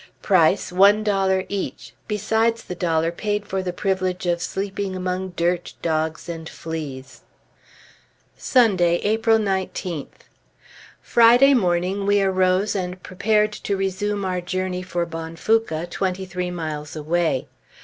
Price, one dollar each, besides the dollar paid for the privilege of sleeping among dirt, dogs, and fleas. Sunday, April 19th. Friday morning we arose and prepared to resume our journey for Bonfouca, twenty three miles away.